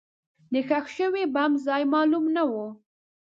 د ښخ شوي بم ځای معلوم نه و.